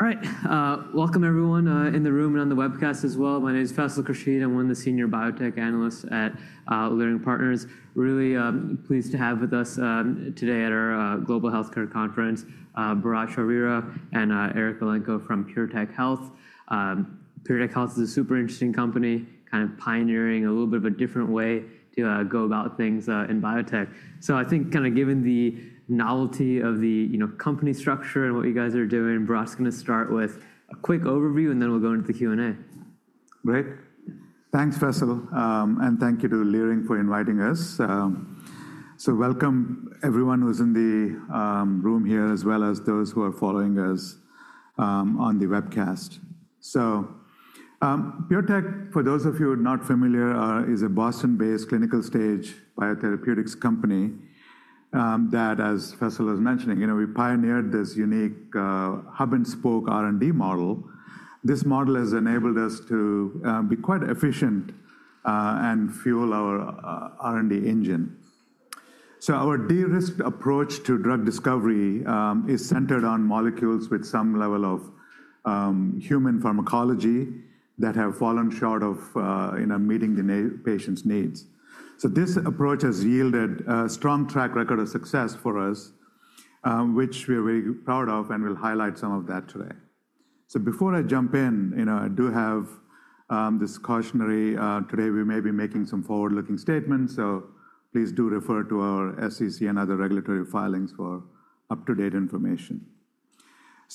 All right. Welcome, everyone in the room and on the webcast as well. My name is Faisal Khurshid. I'm one of the senior biotech analysts at Leerink Partners. Really pleased to have with us today at our Global Healthcare Conference, Bharatt Chowrira and Eric Elenko from PureTech Health. PureTech Health is a super interesting company, kind of pioneering a little bit of a different way to go about things in biotech. I think kind of given the novelty of the company structure and what you guys are doing, Bharatt's going to start with a quick overview, and then we'll go into the Q&A. Great. Thanks, Faisal, and thank you to Leerink for inviting us. Welcome, everyone who's in the room here, as well as those who are following us on the webcast. PureTech, for those of you who are not familiar, is a Boston-based clinical-stage biotherapeutics company that, as Faisal was mentioning, we pioneered this unique hub-and-spoke R&D model. This model has enabled us to be quite efficient and fuel our R&D engine. Our de-risked approach to drug discovery is centered on molecules with some level of human pharmacology that have fallen short of meeting the patient's needs. This approach has yielded a strong track record of success for us, which we are very proud of, and we'll highlight some of that today. Before I jump in, I do have this cautionary: today, we may be making some forward-looking statements. Please do refer to our SEC and other regulatory filings for up-to-date information.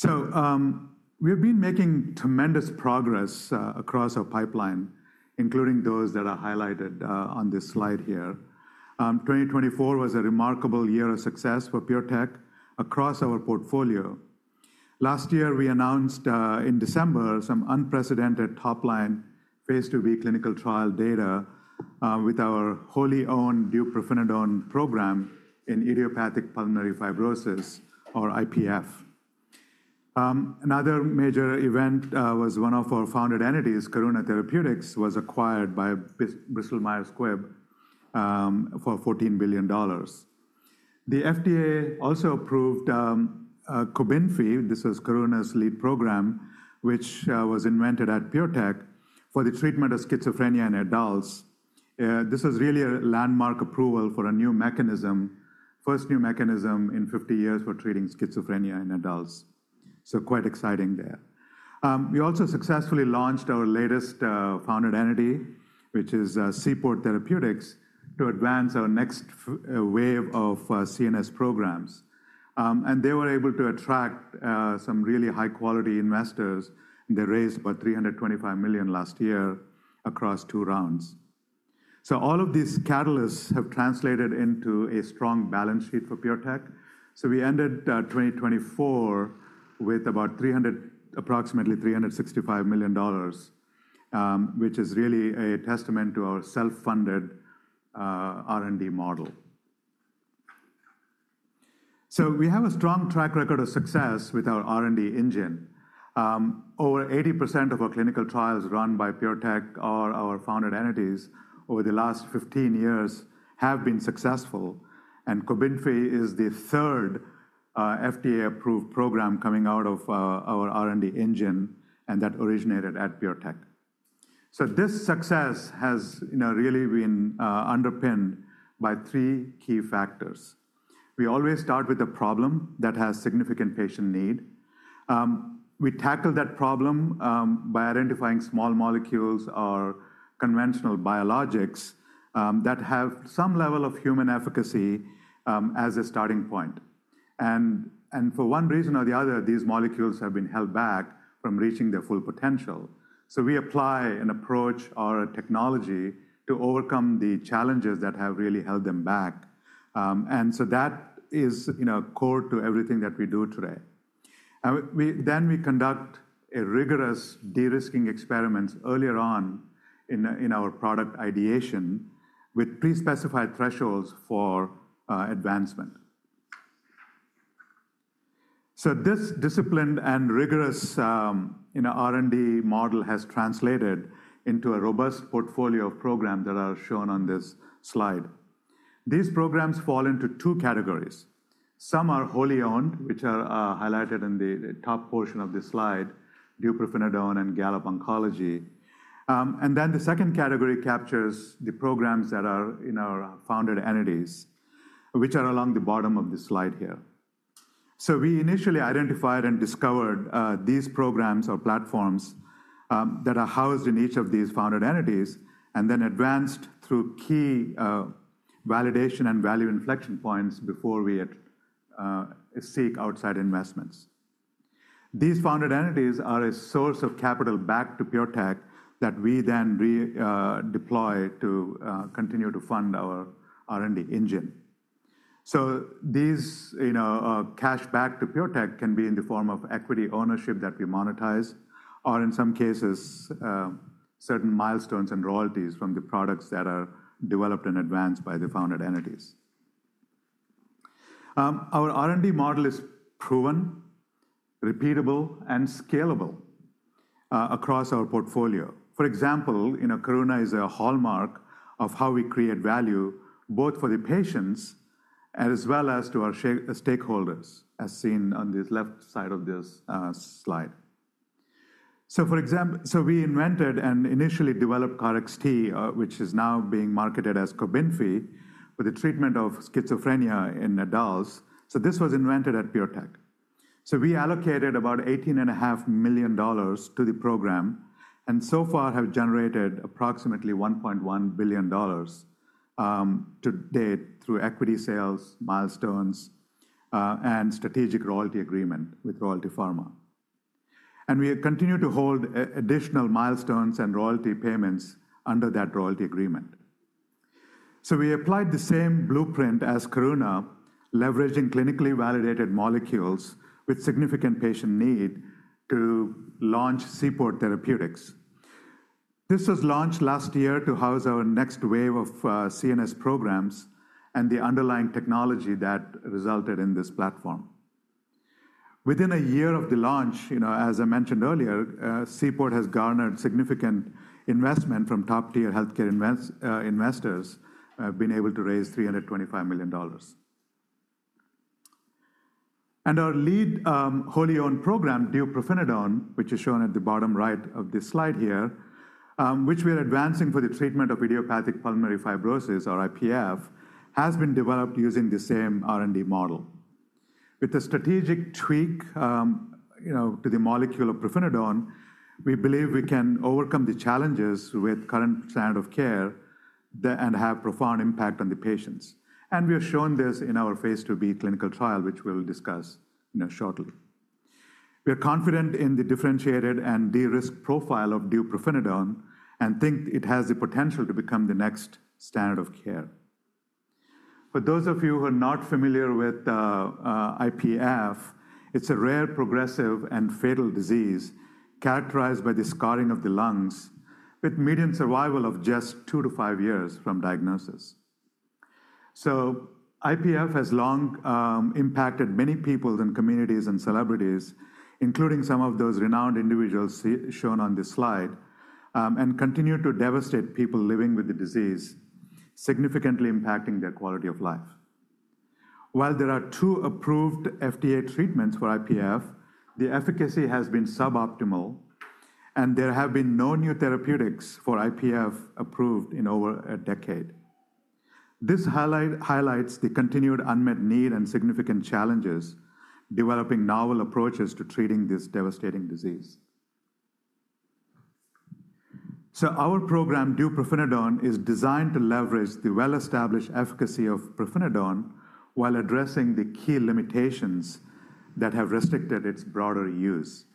We have been making tremendous progress across our pipeline, including those that are highlighted on this slide here. 2024 was a remarkable year of success for PureTech across our portfolio. Last year, we announced in December some unprecedented top-line phase II-B clinical trial data with our wholly owned deupirfenidone program in idiopathic pulmonary fibrosis, or IPF. Another major event was one of our Founded Entities, Karuna Therapeutics, was acquired by Bristol Myers Squibb for $14 billion. The FDA also approved COBENFY. This was Karuna's lead program, which was invented at PureTech for the treatment of schizophrenia in adults. This was really a landmark approval for a new mechanism, the first new mechanism in 50 years for treating schizophrenia in adults. Quite exciting there. We also successfully launched our latest Founded Entity, which is Seaport Therapeutics, to advance our next wave of CNS programs. They were able to attract some really high-quality investors. They raised about $325 million last year across two rounds. All of these catalysts have translated into a strong balance sheet for PureTech. We ended 2024 with about $365 million, which is really a testament to our self-funded R&D model. We have a strong track record of success with our R&D engine. Over 80% of our clinical trials run by PureTech or our Founded Entities over the last 15 years have been successful. COBENFY is the third FDA-approved program coming out of our R&D engine, and that originated at PureTech. This success has really been underpinned by three key factors. We always start with a problem that has significant patient need. We tackle that problem by identifying small molecules or conventional biologics that have some level of human efficacy as a starting point. For one reason or the other, these molecules have been held back from reaching their full potential. We apply an approach or a technology to overcome the challenges that have really held them back. That is core to everything that we do today. We conduct rigorous de-risking experiments earlier on in our product ideation with pre-specified thresholds for advancement. This disciplined and rigorous R&D model has translated into a robust portfolio of programs that are shown on this slide. These programs fall into two categories. Some are wholly owned, which are highlighted in the top portion of this slide: deupirfenidone and Gallop Oncology. The second category captures the programs that are in our Founded Entities, which are along the bottom of this slide here. We initially identified and discovered these programs or platforms that are housed in each of these Founded Entities and then advanced through key validation and value inflection points before we seek outside investments. These Founded Entities are a source of capital back to PureTech that we then deploy to continue to fund our R&D engine. These cash back to PureTech can be in the form of equity ownership that we monetize, or in some cases, certain milestones and royalties from the products that are developed in advance by the Founded Entities. Our R&D model is proven, repeatable, and scalable across our portfolio. For example, Karuna is a hallmark of how we create value both for the patients as well as to our stakeholders, as seen on this left side of this slide. We invented and initially developed KarXT, which is now being marketed as COBENFY, for the treatment of schizophrenia in adults. This was invented at PureTech. We allocated about $18.5 million to the program and so far have generated approximately $1.1 billion to date through equity sales, milestones, and strategic royalty agreement with Royalty Pharma. We continue to hold additional milestones and royalty payments under that royalty agreement. We applied the same blueprint as Karuna, leveraging clinically validated molecules with significant patient need to launch Seaport Therapeutics. This was launched last year to house our next wave of CNS programs and the underlying technology that resulted in this platform. Within a year of the launch, as I mentioned earlier, Seaport has garnered significant investment from top-tier healthcare investors, being able to raise $325 million. Our lead wholly owned program, deupirfenidone, which is shown at the bottom right of this slide here, which we are advancing for the treatment of idiopathic pulmonary fibrosis, or IPF, has been developed using the same R&D model. With the strategic tweak to the molecule of deupirfenidone, we believe we can overcome the challenges with current standard of care and have a profound impact on the patients. We have shown this in our phase II-B clinical trial, which we'll discuss shortly. We are confident in the differentiated and de-risked profile of deupirfenidone and think it has the potential to become the next standard of care. For those of you who are not familiar with IPF, it's a rare, progressive, and fatal disease characterized by the scarring of the lungs, with median survival of just two to five years from diagnosis. IPF has long impacted many people and communities and celebrities, including some of those renowned individuals shown on this slide, and continued to devastate people living with the disease, significantly impacting their quality of life. While there are two approved FDA treatments for IPF, the efficacy has been suboptimal, and there have been no new therapeutics for IPF approved in over a decade. This highlights the continued unmet need and significant challenges developing novel approaches to treating this devastating disease. Our program, deupirfenidone, is designed to leverage the well-established efficacy of pirfenidone while addressing the key limitations that have restricted its broader use.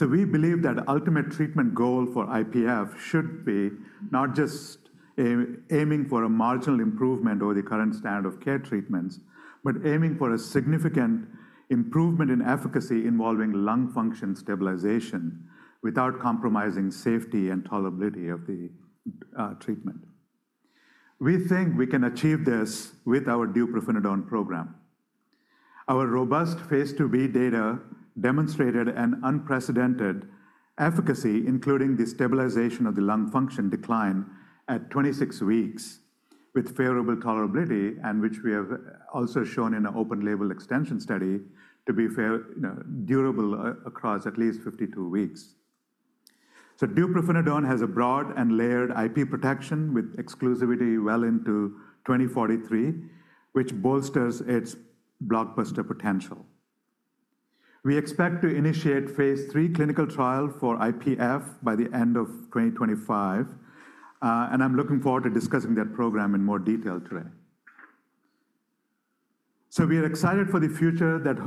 We believe that the ultimate treatment goal for IPF should be not just aiming for a marginal improvement over the current standard of care treatments, but aiming for a significant improvement in efficacy involving lung function stabilization without compromising safety and tolerability of the treatment. We think we can achieve this with our deupirfenidone program. Our robust phase II-B data demonstrated an unprecedented efficacy, including the stabilization of the lung function decline at 26 weeks with favorable tolerability, and which we have also shown in an open-label extension study to be durable across at least 52 weeks. Deupirfenidone has a broad and layered IP protection with exclusivity well into 2043, which bolsters its blockbuster potential. We expect to initiate phase III clinical trial for IPF by the end of 2025, and I'm looking forward to discussing that program in more detail today. We are excited for the future that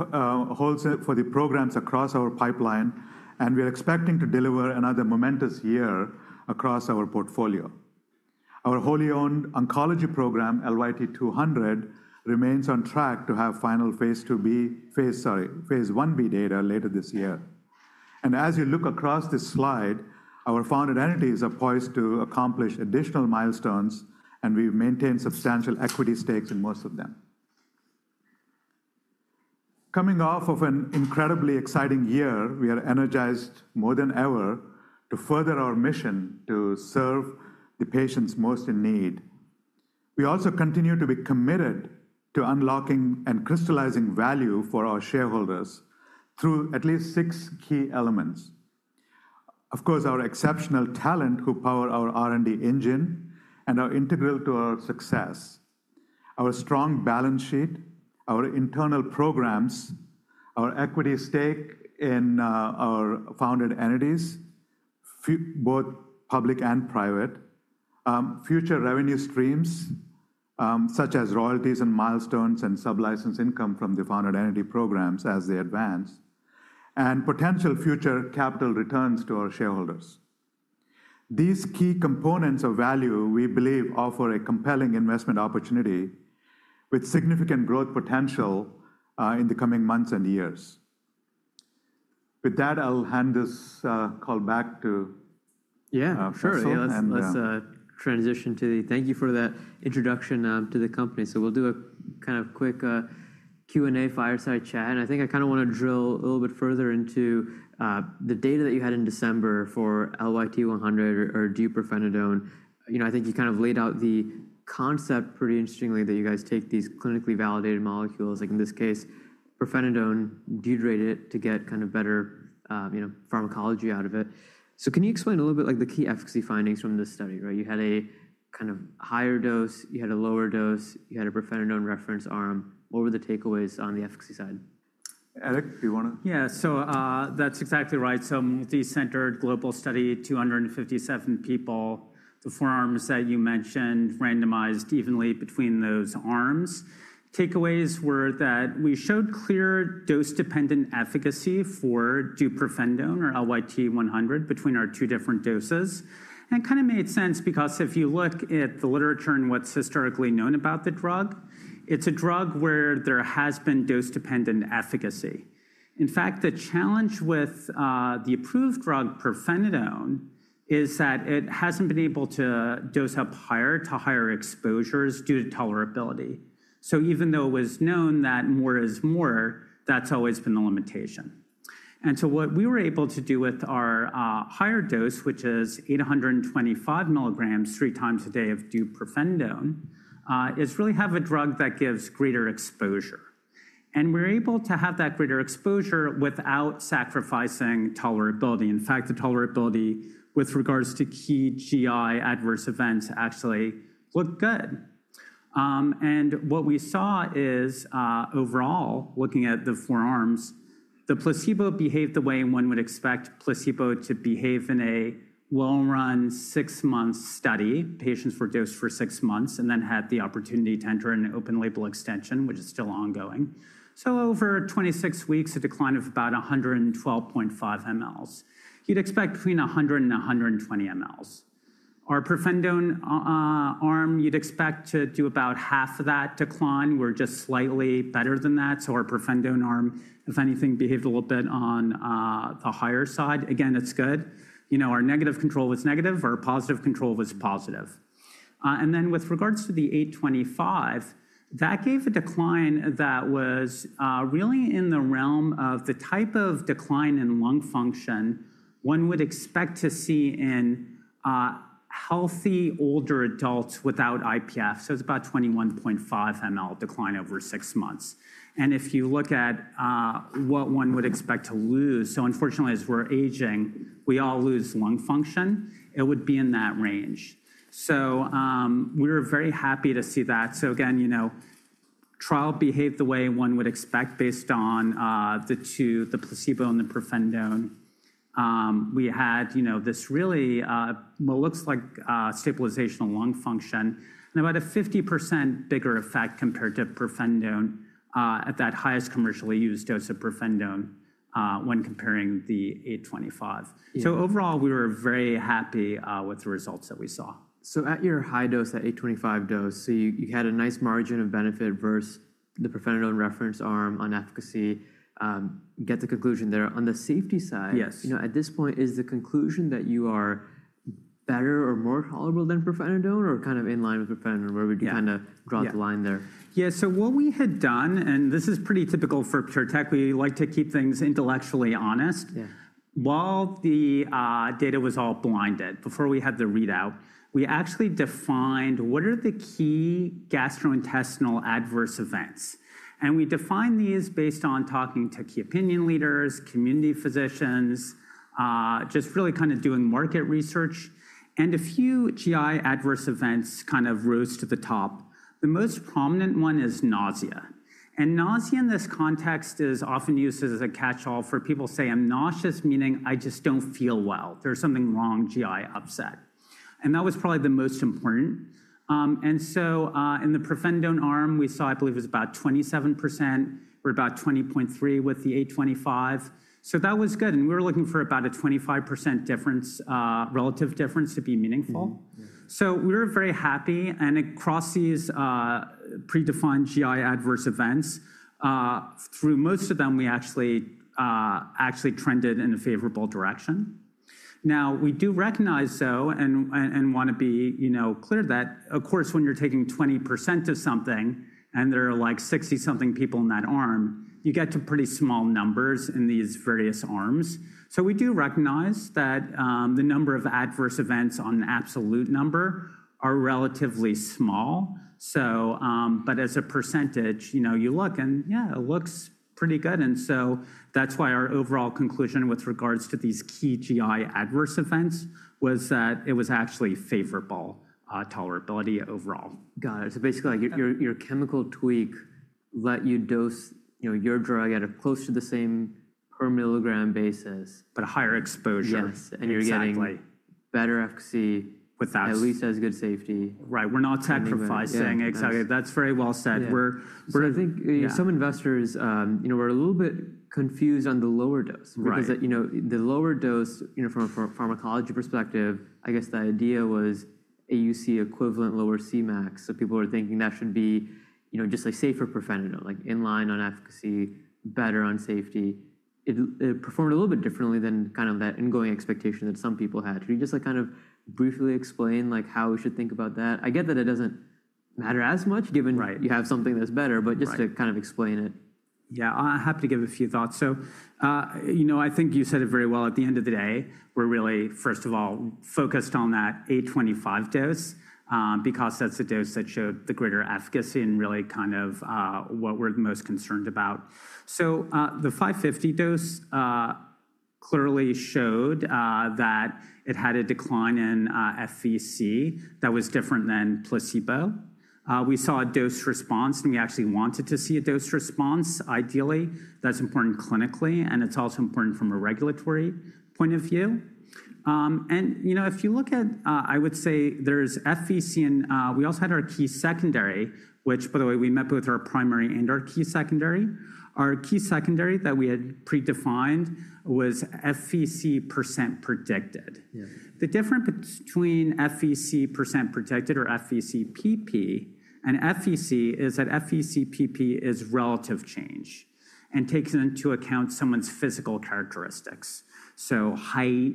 holds for the programs across our pipeline, and we are expecting to deliver another momentous year across our portfolio. Our wholly owned oncology program, LYT-200, remains on track to have final phase II-B, sorry, phase I-B data later this year. As you look across this slide, our Founded Entities are poised to accomplish additional milestones, and we've maintained substantial equity stakes in most of them. Coming off of an incredibly exciting year, we are energized more than ever to further our mission to serve the patients most in need. We also continue to be committed to unlocking and crystallizing value for our shareholders through at least six key elements. Of course, our exceptional talent who power our R&D engine and are integral to our success, our strong balance sheet, our internal programs, our equity stake in our Founded Entities, both public and private, future revenue streams such as royalties and milestones and sub-license income from the Founded Entity programs as they advance, and potential future capital returns to our shareholders. These key components of value, we believe, offer a compelling investment opportunity with significant growth potential in the coming months and years. With that, I'll hand this call back to. Yeah, sure. Let's transition to the thank you for that introduction to the company. So we'll do a kind of quick Q&A fireside chat. I think I kind of want to drill a little bit further into the data that you had in December for LYT-100 or deupirfenidone. I think you kind of laid out the concept pretty interestingly that you guys take these clinically validated molecules, like in this case, pirfenidone, degrade it to get kind of better pharmacology out of it. So can you explain a little bit like the key efficacy findings from this study? You had a kind of higher dose, you had a lower dose, you had a pirfenidone reference arm. What were the takeaways on the efficacy side? Eric, do you want to? Yeah, so that's exactly right. Multi-centered global study, 257 people, the four arms that you mentioned, randomized evenly between those arms. Takeaways were that we showed clear dose-dependent efficacy for pirfenidone or LYT-100 between our two different doses. It kind of made sense because if you look at the literature and what's historically known about the drug, it's a drug where there has been dose-dependent efficacy. In fact, the challenge with the approved drug pirfenidone is that it hasn't been able to dose up higher to higher exposures due to tolerability. Even though it was known that more is more, that's always been the limitation. What we were able to do with our higher dose, which is 825 mg 3x a day of pirfenidone, is really have a drug that gives greater exposure. We're able to have that greater exposure without sacrificing tolerability. In fact, the tolerability with regards to key GI adverse events actually looked good. What we saw is overall, looking at the four arms, the placebo behaved the way one would expect placebo to behave in a well-run six-month study. Patients were dosed for six months and then had the opportunity to enter an open-label extension, which is still ongoing. Over 26 weeks, a decline of about 112.5 mL. You'd expect between 100 and 120 mL. Our pirfenidone arm, you'd expect to do about half of that decline. We're just slightly better than that. Our pirfenidone arm, if anything, behaved a little bit on the higher side. Again, it's good. Our negative control was negative. Our positive control was positive. With regards to the 825, that gave a decline that was really in the realm of the type of decline in lung function one would expect to see in healthy older adults without IPF. It is about 21.5 mL decline over six months. If you look at what one would expect to lose, unfortunately, as we're aging, we all lose lung function, it would be in that range. We were very happy to see that. Again, trial behaved the way one would expect based on the two, the placebo and the pirfenidone. We had this really what looks like stabilization of lung function and about a 50% bigger effect compared to pirfenidone at that highest commercially used dose of pirfenidone when comparing the 825. Overall, we were very happy with the results that we saw. At your high dose, that 825 dose, you had a nice margin of benefit versus the pirfenidone reference arm on efficacy. Get the conclusion there. On the safety side, at this point, is the conclusion that you are better or more tolerable than pirfenidone or kind of in line with pirfenidone where we kind of draw the line there? Yeah. What we had done, and this is pretty typical for PureTech, we like to keep things intellectually honest. While the data was all blinded, before we had the readout, we actually defined what are the key gastrointestinal adverse events. We defined these based on talking to key opinion leaders, community physicians, just really kind of doing market research. A few GI adverse events kind of rose to the top. The most prominent one is nausea. Nausea in this context is often used as a catch-all for people who say, "I'm nauseous," meaning I just don't feel well. There's something wrong, GI upset. That was probably the most important. In the pirfenidone arm, we saw, I believe it was about 27%. We're about 20.3% with the 825. That was good. We were looking for about a 25% difference, relative difference to be meaningful. We were very happy. Across these predefined GI adverse events, through most of them, we actually trended in a favorable direction. We do recognize, though, and want to be clear that, of course, when you're taking 20% of something and there are like 60-something people in that arm, you get to pretty small numbers in these various arms. We do recognize that the number of adverse events on an absolute number are relatively small. As a percentage, you look and, yeah, it looks pretty good. That's why our overall conclusion with regards to these key GI adverse events was that it was actually favorable tolerability overall. Got it. So basically, your chemical tweak let you dose your drug at a close to the same per mg basis. A higher exposure. Yes. You're getting better efficacy with at least as good safety. Right. We're not sacrificing. Exactly. That's very well said. I think some investors were a little bit confused on the lower dose. Because the lower dose, from a pharmacology perspective, I guess the idea was AUC equivalent, lower Cmax. People were thinking that should be just safer pirfenidone, like in line on efficacy, better on safety. It performed a little bit differently than kind of that ingoing expectation that some people had. Could you just kind of briefly explain how we should think about that? I get that it doesn't matter as much given you have something that's better, but just to kind of explain it. Yeah, I'm happy to give a few thoughts. I think you said it very well. At the end of the day, we're really, first of all, focused on that 825 dose because that's the dose that showed the greater efficacy and really kind of what we're most concerned about. The 550 dose clearly showed that it had a decline in FVC that was different than placebo. We saw a dose response, and we actually wanted to see a dose response. Ideally, that's important clinically, and it's also important from a regulatory point of view. If you look at, I would say there's FVC, and we also had our key secondary, which, by the way, we met both our primary and our key secondary. Our key secondary that we had predefined was FVC % predicted. The difference between FVC percent predicted or FVC PP and FVC is that FVC PP is relative change and takes into account someone's physical characteristics. So height,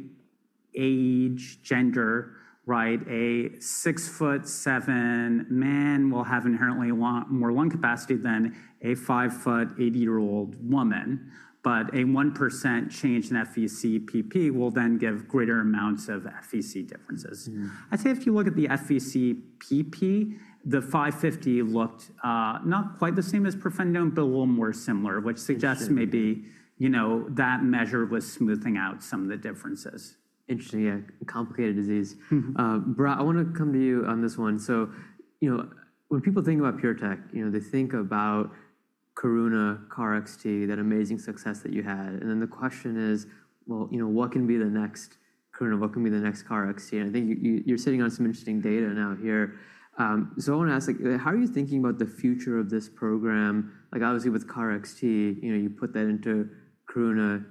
age, gender, right? A 6-foot-7 man will have inherently more lung capacity than a 5-foot-8 80-year-old woman. But a 1% change in FVC PP will then give greater amounts of FVC differences. I say if you look at the FVC PP, the 550 looked not quite the same as pirfenidone, but a little more similar, which suggests maybe that measure was smoothing out some of the differences. Interesting. Yeah, complicated disease. Bro, I want to come to you on this one. So when people think about PureTech, they think about Karuna, KarXT, that amazing success that you had. And then the question is, what can be the next Karuna? What can be the next KarXT? I think you're sitting on some interesting data now here. I want to ask, how are you thinking about the future of this program? Obviously, with KarXT, you put that into Karuna.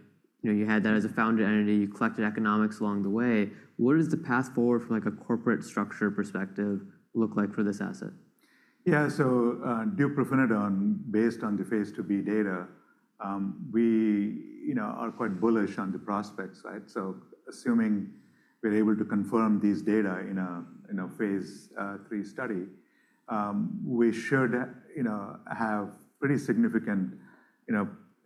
You had that as a Founded Entity. You collected economics along the way. What does the path forward from a corporate structure perspective look like for this asset? Yeah, so deupirfenidone, based on the phase II-B data, we are quite bullish on the prospects. Assuming we're able to confirm these data in a phase III study, we should have pretty significant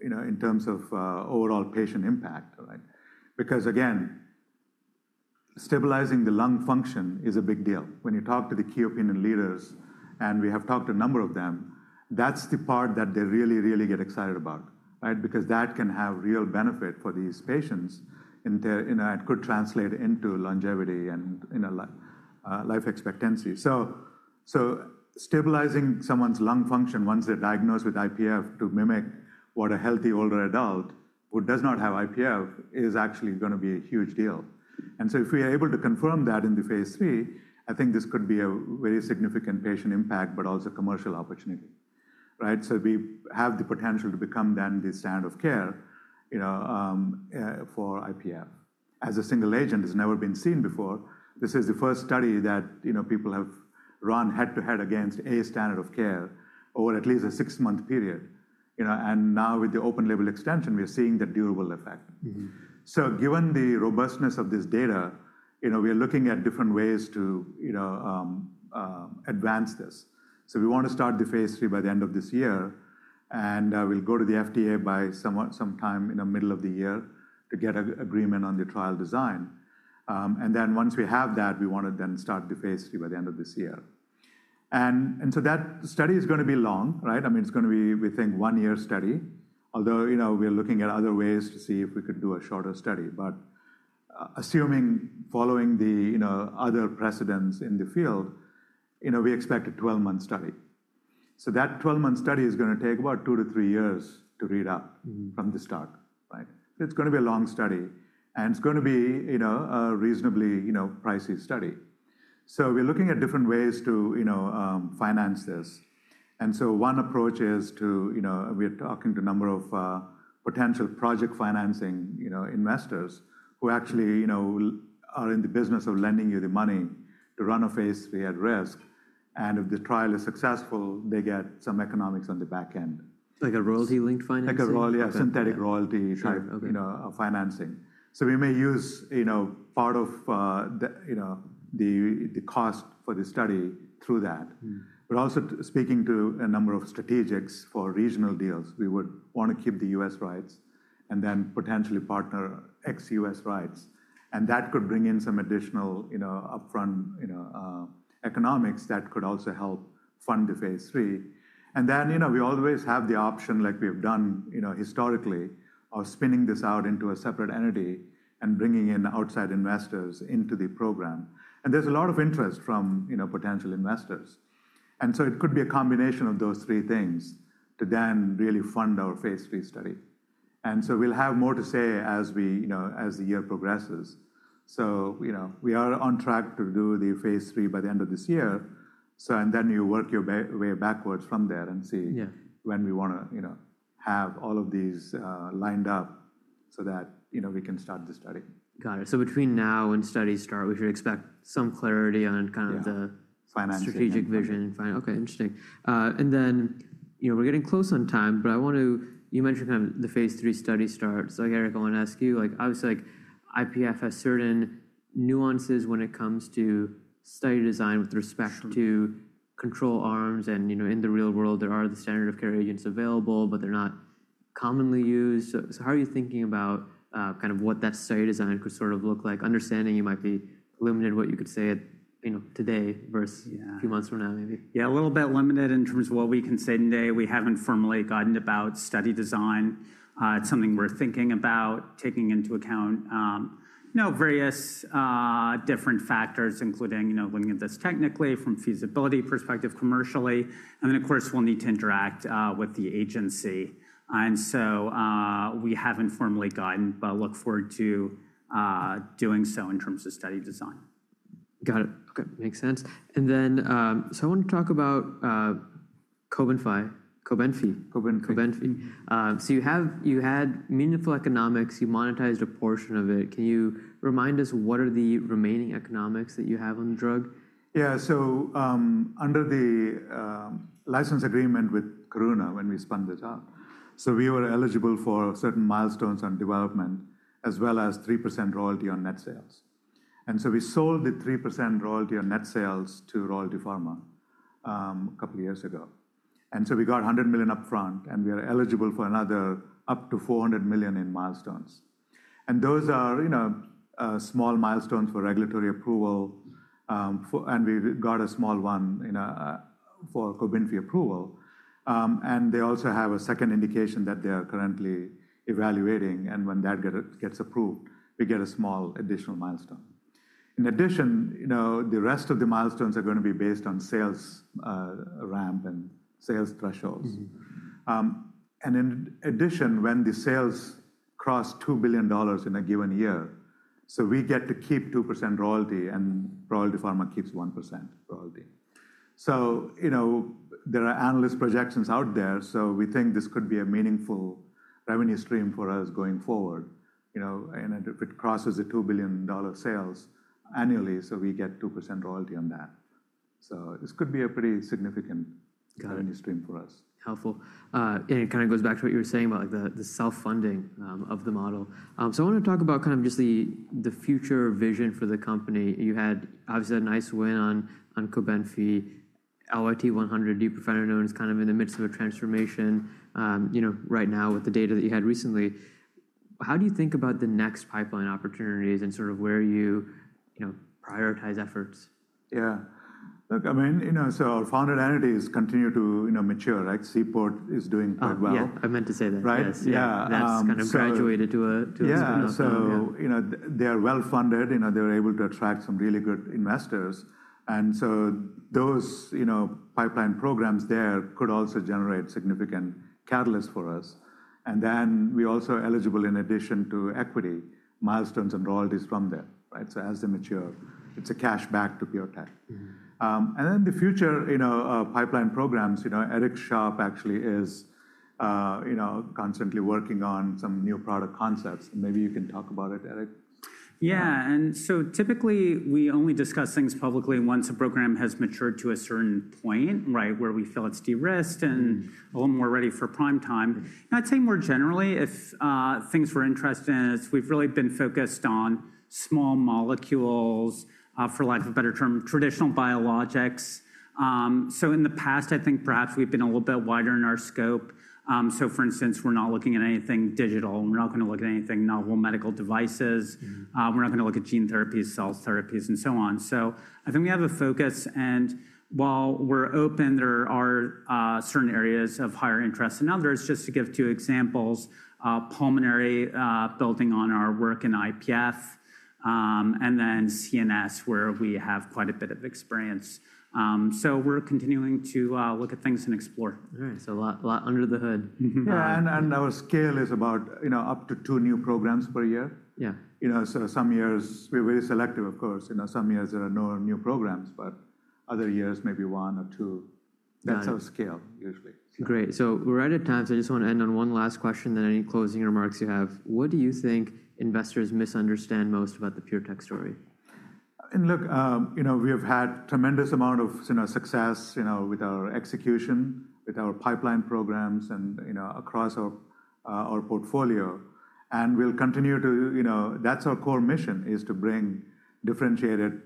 in terms of overall patient impact. Because again, stabilizing the lung function is a big deal. When you talk to the key opinion leaders, and we have talked to a number of them, that's the part that they really, really get excited about. Because that can have real benefit for these patients, and it could translate into longevity and life expectancy. Stabilizing someone's lung function once they're diagnosed with IPF to mimic what a healthy older adult who does not have IPF is actually going to be a huge deal. If we are able to confirm that in the phase III, I think this could be a very significant patient impact, but also commercial opportunity. We have the potential to become then the standard of care for IPF. As a single agent, it's never been seen before. This is the first study that people have run head-to-head against a standard of care over at least a six-month period. Now with the open-label extension, we're seeing the durable effect. Given the robustness of this data, we're looking at different ways to advance this. We want to start the phase III by the end of this year. We'll go to the FDA by sometime in the middle of the year to get an agreement on the trial design. Once we have that, we want to then start the phase III by the end of this year. That study is going to be long. I mean, it's going to be, we think, a one-year study, although we're looking at other ways to see if we could do a shorter study. Assuming, following the other precedents in the field, we expect a 12-month study. That 12-month study is going to take about two to three years to read out from the start. It's going to be a long study, and it's going to be a reasonably pricey study. We're looking at different ways to finance this. One approach is we're talking to a number of potential project financing investors who actually are in the business of lending you the money to run a phase III at risk. If the trial is successful, they get some economics on the back end. Like a royalty-linked financing? Like a synthetic royalty type of financing. We may use part of the cost for the study through that. We are also speaking to a number of strategics for regional deals. We would want to keep the US rights and then potentially partner ex-US rights. That could bring in some additional upfront economics that could also help fund the phase III. We always have the option, like we've done historically, of spinning this out into a separate entity and bringing in outside investors into the program. There is a lot of interest from potential investors. It could be a combination of those three things to then really fund our phase III study. We will have more to say as the year progresses. We are on track to do the phase III by the end of this year. You work your way backwards from there and see when we want to have all of these lined up so that we can start the study. Got it. Between now and study start, we should expect some clarity on kind of the strategic vision. Okay, interesting. We're getting close on time, but I want to—you mentioned kind of the phase III study start. I want to ask you, obviously, IPF has certain nuances when it comes to study design with respect to control arms. In the real world, there are the standard of care agents available, but they're not commonly used. How are you thinking about kind of what that study design could sort of look like, understanding you might be limited what you could say today versus a few months from now, maybe? Yeah, a little bit limited in terms of what we can say today. We haven't formally gotten about study design. It's something we're thinking about, taking into account various different factors, including looking at this technically from a feasibility perspective, commercially. Of course, we'll need to interact with the agency. We haven't formally gotten, but look forward to doing so in terms of study design. Got it. Okay, makes sense. I want to talk about COBENFY, COBENFY. You had meaningful economics. You monetized a portion of it. Can you remind us what are the remaining economics that you have on the drug? Yeah, so under the license agreement with Karuna when we spun this up, we were eligible for certain milestones on development as well as 3% royalty on net sales. We sold the 3% royalty on net sales to Royalty Pharma a couple of years ago. We got $100 million upfront, and we are eligible for up to $400 million in milestones. Those are small milestones for regulatory approval. We got a small one for COBENFY approval. They also have a second indication that they are currently evaluating. When that gets approved, we get a small additional milestone. In addition, the rest of the milestones are going to be based on sales ramp and sales thresholds. In addition, when the sales cross $2 billion in a given year, we get to keep 2% royalty, and Royalty Pharma keeps 1% royalty. There are analyst projections out there. We think this could be a meaningful revenue stream for us going forward. If it crosses the $2 billion sales annually, we get 2% royalty on that. This could be a pretty significant revenue stream for us. Helpful. It kind of goes back to what you were saying about the self-funding of the model. I want to talk about just the future vision for the company. You had, obviously, a nice win on COBENFY. LYT-100, deupirfenidone is kind of in the midst of a transformation right now with the data that you had recently. How do you think about the next pipeline opportunities and sort of where you prioritize efforts? Yeah. Look, I mean, so our Founded Entities continue to mature. Seaport is doing quite well. I meant to say that. Right? Yeah. That's kind of graduated to a small number. Yeah. They are well funded. They were able to attract some really good investors. Those pipeline programs there could also generate significant catalysts for us. We are also eligible in addition to equity milestones and royalties from there. As they mature, it is cash back to PureTech. The future pipeline programs, Eric Sharp actually is constantly working on some new product concepts. Maybe you can talk about it, Eric. Yeah. Typically, we only discuss things publicly once a program has matured to a certain point where we feel it's de-risked and a little more ready for prime time. I'd say more generally, if things were interesting, we've really been focused on small molecules, for lack of a better term, traditional biologics. In the past, I think perhaps we've been a little bit wider in our scope. For instance, we're not looking at anything digital. We're not going to look at anything novel medical devices. We're not going to look at gene therapies, cell therapies, and so on. I think we have a focus. While we're open, there are certain areas of higher interest. Now there is, just to give two examples, pulmonary building on our work in IPF and then CNS, where we have quite a bit of experience. We're continuing to look at things and explore. So a lot under the hood. Yeah. Our scale is about up to two new programs per year. Some years, we're very selective, of course. Some years, there are no new programs, but other years, maybe one or two. That's our scale, usually. Great. We are right at time. I just want to end on one last question, then any closing remarks you have. What do you think investors misunderstand most about the PureTech story? Look, we have had a tremendous amount of success with our execution, with our pipeline programs and across our portfolio. We will continue to, that is our core mission, to bring differentiated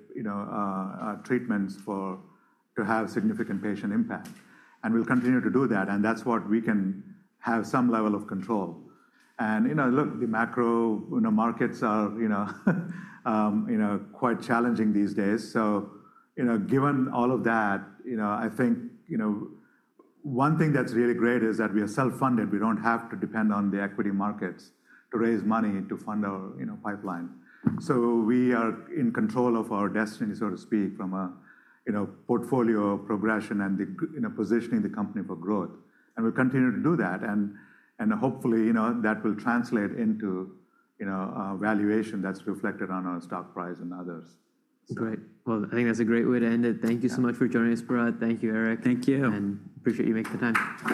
treatments to have significant patient impact. We will continue to do that. That is what we can have some level of control over. Look, the macro markets are quite challenging these days. Given all of that, I think one thing that is really great is that we are self-funded. We do not have to depend on the equity markets to raise money to fund our pipeline. We are in control of our destiny, so to speak, from a portfolio progression and positioning the company for growth. We will continue to do that. Hopefully, that will translate into valuation that is reflected on our stock price and others. Great. I think that's a great way to end it. Thank you so much for joining us, Bharatt. Thank you, Eric. Thank you. I appreciate you making the time.